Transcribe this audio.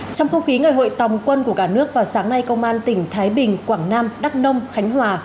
trong không khí ngày hội tòng quân của cả nước vào sáng nay công an tỉnh thái bình quảng nam đắk nông khánh hòa